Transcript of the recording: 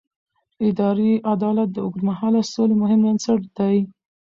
اداري عدالت د اوږدمهاله سولې مهم بنسټ دی